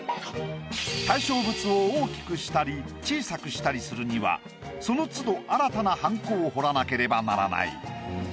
対象物を大きくしたり小さくしたりするにはその都度新たなはんこを彫らなければならない。